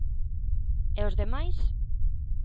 E os demais?